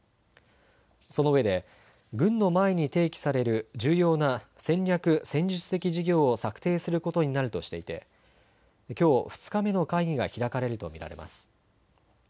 そのうえで軍の前に提起される重要な戦略・戦術的事業を策定することになるとしていてきょう２日目の会議が開かれると見られます。